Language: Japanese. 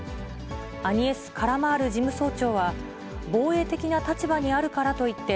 アニエス・カラマール事務総長は、防衛的な立場にあるからといって、